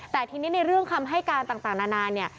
แต่ทีนี้ในเรื่องคำให้การต่างนานาเนี่ย